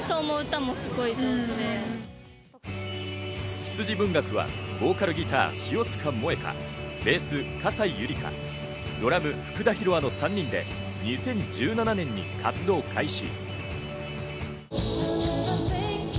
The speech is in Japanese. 羊文学はボーカルギター・塩塚モエカ、ベース・河西ゆりか、ドラム・フクダヒロアの３人で、２０１７年に活動開始。